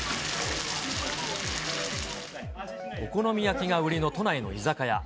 お好み焼きが売りの都内の居酒屋。